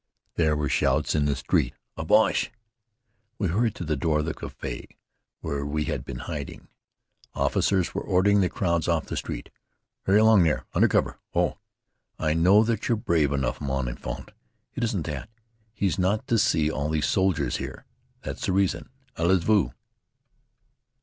There were shouts in the street, "A Boche!" We hurried to the door of the café where we had been hiding. Officers were ordering the crowds off the street. "Hurry along there! Under cover! Oh, I know that you're brave enough, mon enfant. It isn't that. He's not to see all these soldiers here. That's the reason. Allez! Vite!"